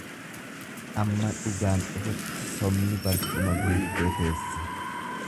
Amma dhugaan dhufutti sobni barcuma guuttee teessi.